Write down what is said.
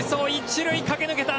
一塁駆け抜けた。